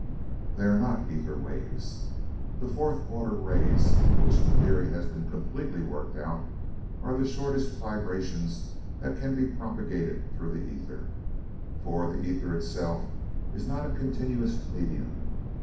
"They are not ether waves. The fourth order rays, of which the theory has been completely worked out, are the shortest vibrations that can be propagated through the ether; for the ether itself is not a continuous medium.